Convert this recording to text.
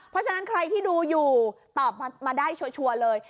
เพราะฉะนั้นใครที่ดูอยู่ตอบมาได้ชัวร์เลย